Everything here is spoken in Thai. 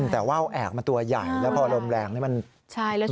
แต่ว่าวแอกมันตัวใหญ่แล้วพอลมแรงนี่มันใช่